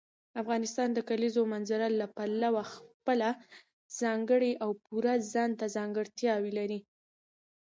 افغانستان د کلیزو منظره له پلوه خپله ځانګړې او پوره ځانته ځانګړتیاوې لري.